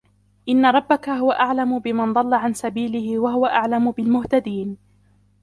إِنَّ رَبَّكَ هُوَ أَعْلَمُ بِمَن ضَلَّ عَن سَبِيلِهِ وَهُوَ أَعْلَمُ بِالْمُهْتَدِينَ